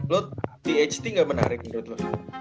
lo tht gak menarik menurut lo